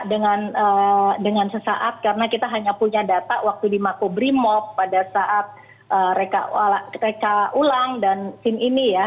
dan dengan sesaat karena kita hanya punya data waktu di makubrimob pada saat reka ulang dan scene ini ya